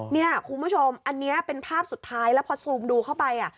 เนี่ยคุณผู้ชมอันนี้เป็นภาพสุดท้ายแล้วพอซูมดูเข้าไป